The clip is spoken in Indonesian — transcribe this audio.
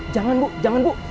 jangan bu jangan bu